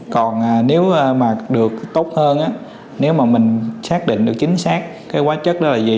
còn nếu mà được tốt hơn nếu mà mình xác định được chính xác cái quá chất đó là gì